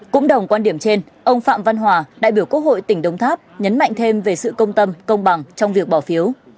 cũng đồng quan điểm trên ông phạm văn hòa đại biểu quốc hội tỉnh đồng tháp nhấn mạnh thêm về sự công tâm công bằng trong việc bỏ phiếu